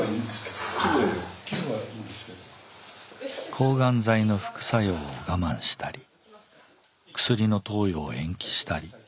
抗がん剤の副作用を我慢したり薬の投与を延期したり。